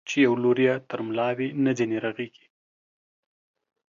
چي يو لور يې تر ملا وي، نه ځيني رغېږي.